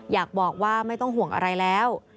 อยากบอกว่าไม่ต้องห่วงอะไรแล้ว